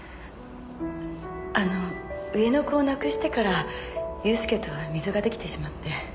あの上の子を亡くしてから祐介とは溝が出来てしまって。